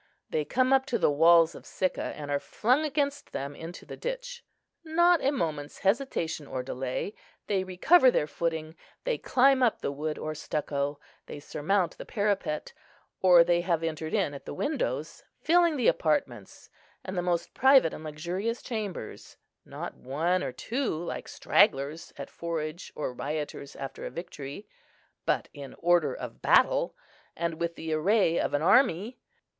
They come up to the walls of Sicca, and are flung against them into the ditch. Not a moment's hesitation or delay; they recover their footing, they climb up the wood or stucco, they surmount the parapet, or they have entered in at the windows, filling the apartments, and the most private and luxurious chambers, not one or two, like stragglers at forage or rioters after a victory, but in order of battle, and with the array of an army.